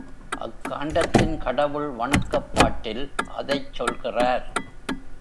அக்காண்டத்தின் கடவுள் வணக்கப்பாட்டில் அதைச் சொல்கிறார்.